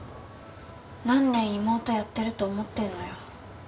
何年妹やってると思ってるのよ